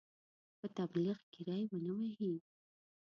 په تبلیغ کې ری ونه وهي.